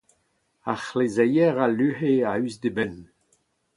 Ar c'hlezeier a luc'he a-us d'e benn.